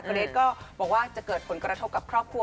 เกรทก็บอกว่าจะเกิดผลกระทบกับครอบครัว